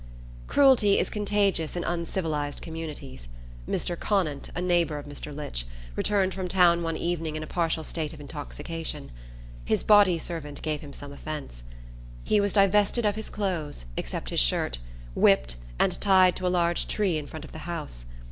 Cruelty is contagious in uncivilized communities. Mr. Conant, a neighbor of Mr. Litch, returned from town one evening in a partial state of intoxication. His body servant gave him some offence. He was divested of his clothes, except his shirt, whipped, and tied to a large tree in front of the house.